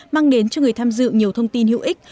mang đến cho người tham dự nhiều thông tin hữu ích